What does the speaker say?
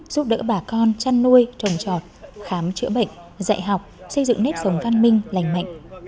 giúp đỡ bà con chăn nuôi trồng trọt khám chữa bệnh dạy học xây dựng nếp sống văn minh lành mạnh